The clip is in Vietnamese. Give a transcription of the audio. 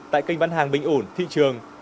tại kênh bán hàng bình ổn thị trường